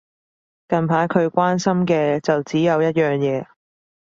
近排佢關心嘅就只有一樣嘢